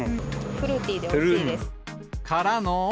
フルーティーでおいしいです。からの。